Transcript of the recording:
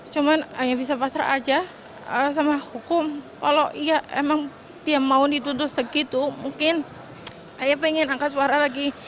cuma saya bisa pasrah saja sama hukum kalau dia mau dituntut segitu mungkin saya ingin angkat suara lagi